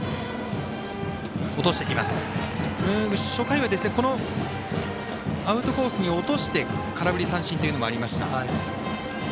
初回はこのアウトコースに落として空振り三振というのもありました。